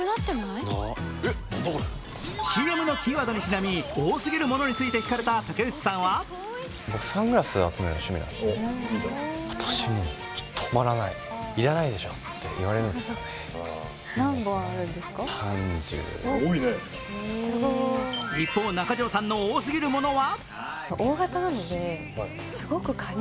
ＣＭのキーワードにちなみ、多すぎるものについて聞かれた竹内さんは一方、中条さんの多すぎるものは？